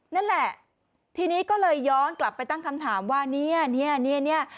นั่นแหละทีนี้ก็เลยย้อนกลับไปตั้งคำถามว่าเนี่ยเนี่ย